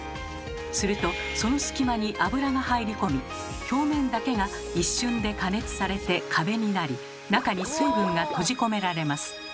するとその隙間に油が入り込み表面だけが一瞬で加熱されて壁になり中に水分が閉じ込められます。